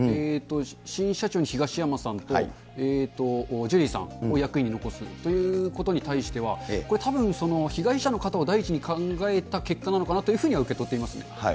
新社長に東山さんと、ジュリーさんを役員に残すということに対しては、これ、たぶん、被害者の方を第一に考えた結果なのかなというふうには受け取っていますね。